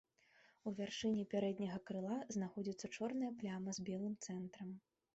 У вяршыні пярэдняга крыла знаходзіцца чорная пляма з белым цэнтрам.